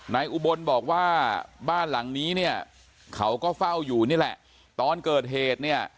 อุบลบอกว่าบ้านหลังนี้เนี่ยเขาก็เฝ้าอยู่นี่แหละตอนเกิดเหตุเนี่ย